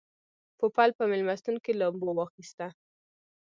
پوپل په مېلمستون کې لامبو واخیسته.